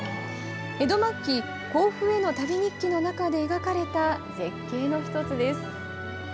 江戸末期、甲府への旅日記の中で描かれた絶景の一つです。